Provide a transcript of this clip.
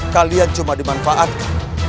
kalian cuma dimanfaatkan